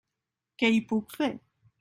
Què hi puc fer?